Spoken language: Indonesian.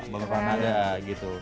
beberapa nada gitu